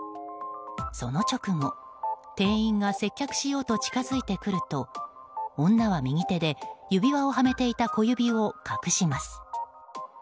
その直後、店員が接客しようと近づいてくると女は、右手で指輪をはめていた小指を隠します。